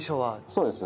そうです。